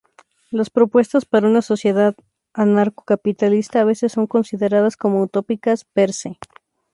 Las propuestas para una sociedad anarcocapitalista a veces son consideradas como utópicas "per se".